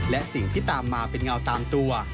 และสิ่งที่ตามมาเป็นเงาตามตัว